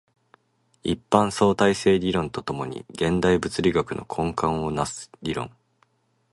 一般相対性理論と共に現代物理学の根幹を成す理論